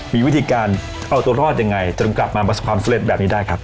มีวิธีการเอาตัวรอดยังไงจนกลับมาประสบความสำเร็จแบบนี้ได้ครับ